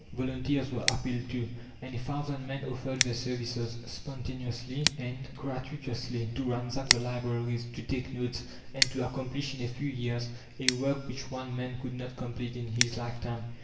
Volunteers were appealed to, and a thousand men offered their services, spontaneously and gratuitously, to ransack the libraries, to take notes, and to accomplish in a few years a work which one man could not complete in his lifetime.